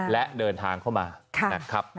และเดินทางเข้ามานะครับ